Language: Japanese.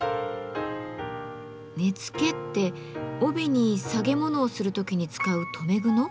根付って帯に提げ物をする時に使う留め具の？